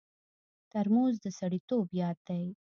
ترموز د سړیتوب یاد دی.